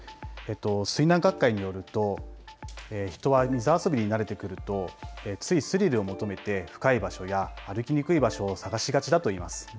水難学会によると人は水遊びに慣れてくるとついスリルを求めて深い場所や歩きにくい場所を探しがちだといいます。